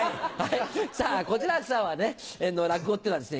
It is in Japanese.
さぁ小痴楽さんの落語っていうのはですね